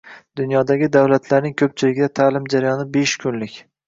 Dunyodagi davlatlarning ko‘pchiligida ta’lim jarayoni besh kunlik.